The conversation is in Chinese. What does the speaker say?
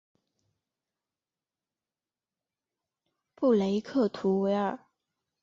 布雷克图维尔。